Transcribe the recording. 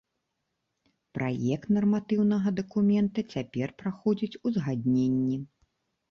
Праект нарматыўнага дакумента цяпер праходзіць узгадненні.